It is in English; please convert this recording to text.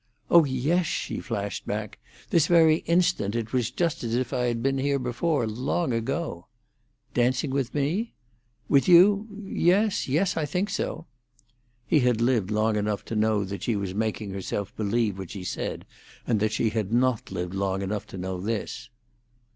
"Oh yes!" she flashed back. "This very instant it was just as if I had been here before, long ago." "Dancing with me?" "With you? Yes—yes—I think so." He had lived long enough to know that she was making herself believe what she said, and that she had not lived long enough to know this.